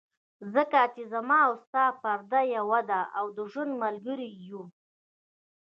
ځکه چې زما او ستا پرده یوه ده، او د ژوند ملګري یو.